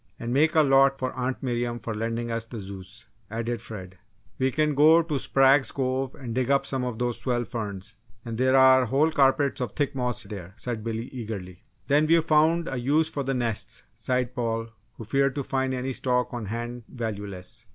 "And make a lot for Aunt Miriam for lending us the Zeus," added Fred. "We can go to Sprague's Cove and dig up some of those swell ferns and there are whole carpets of thick moss there," said Billy, eagerly. "Then we've found a use for the nests!" sighed Paul, who feared to find any stock on hand valueless.